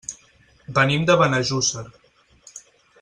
Venim de Benejússer.